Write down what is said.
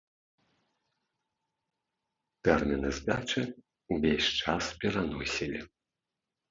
Тэрміны здачы ўвесь час пераносілі.